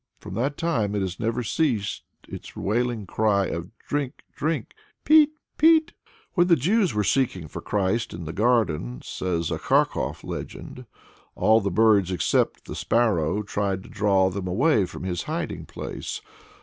From that time it has never ceased its wailing cry of "Drink, Drink," Peet, Peet. When the Jews were seeking for Christ in the garden, says a Kharkof legend, all the birds, except the sparrow, tried to draw them away from his hiding place.